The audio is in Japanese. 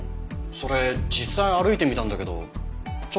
それ実際歩いてみたんだけどちょっと変だよ。